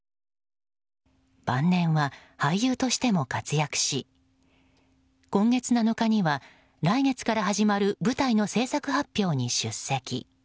晩年は俳優としても活躍し今月７日には、来月から始まる舞台の制作発表に出席。